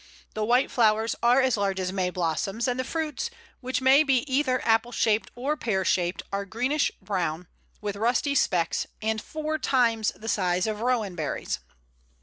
The white flowers are as large as May blossoms, and the fruits, which may be either apple shaped or pear shaped, are greenish brown, with rusty specks, and four times the size of Rowan berries.